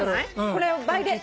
これを倍で。